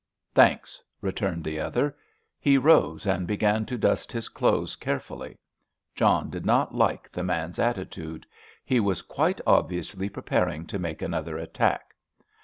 "Thanks," returned the other. He rose and began to dust his clothes carefully. John did not like the man's attitude. He was quite obviously preparing to make another attack.